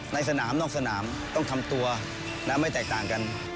ในสนามนอกสนามต้องทำตัวไม่แตกต่างกัน